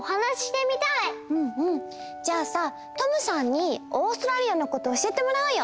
じゃあさＴｏｍさんにオーストラリアのことを教えてもらおうよ！